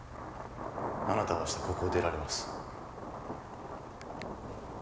あなたは明日ここを出られます